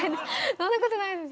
そんなことないです。